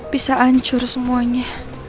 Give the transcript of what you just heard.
bisa hancur semuanya